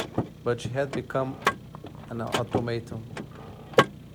But she had become an automaton.